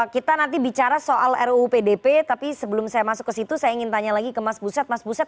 kita nanti bicara soal ruu pdp tapi sebelum saya masuk ke situ saya ingin tanya lagi ke mas buset mas buset